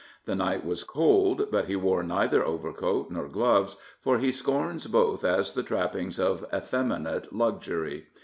The night was cold, but he wore neither overcoat nor gloves, for he scorns both as the trappings of effeminate luxury.